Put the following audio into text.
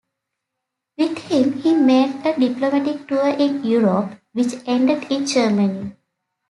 With him, he made a diplomatic tour in Europe which ended in Germany.